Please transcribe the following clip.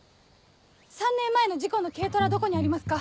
３年前の事故の軽トラどこにありますか？